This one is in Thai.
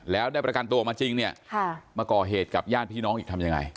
แล้วได้ประกันตัวออกมาจริงเนี่ยมาก่อเหตุกับญาติพี่น้องอีกทำยังไง